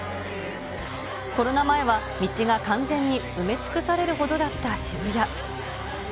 コロナ前は道が完全に埋め尽くされるほどだった渋谷。